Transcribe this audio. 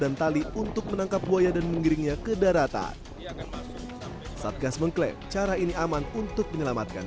dia tidak bisa keluar karena ini semua ada di dalamnya ada semacam kayaman kematian